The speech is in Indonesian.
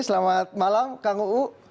selamat malam kang uu